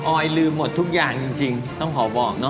อยลืมหมดทุกอย่างจริงต้องขอบอกเนอ